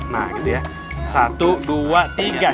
nah gitu ya